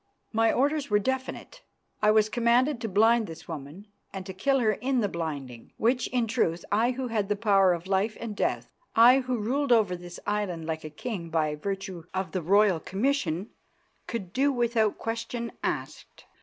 My orders were definite. I was commanded to blind this woman and to kill her in the blinding, which, in truth, I who had power of life and death, I who ruled over this island like a king by virtue of the royal commission, could do without question asked.